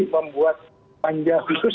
membuat panjang khusus